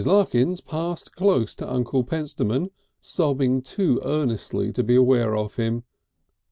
Larkins passed close to Uncle Pentstemon, sobbing too earnestly to be aware of him.